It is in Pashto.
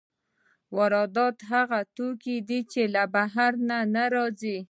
واردات هغه توکي دي چې له بهر نه راځي.